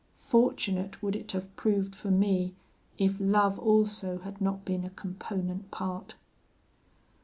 Fortunate would it have proved for me if love also had not been a component part!